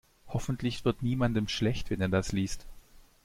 Hoffentlich wird niemandem schlecht, wenn er das liest.